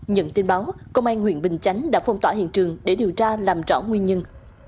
nhận tin báo công an huyện bình chánh đã phong tỏa hiện trường để điều tra làm rõ nguyên nhân